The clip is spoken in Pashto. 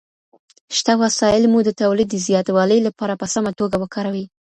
شته وسايل مو د توليد د زياتوالي لپاره په سمه توګه وکاروئ.